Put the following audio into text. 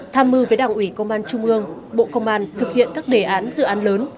tham mưu với đảng ủy công an trung ương bộ công an thực hiện các đề án dự án lớn